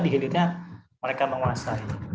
di hidupnya mereka menguasai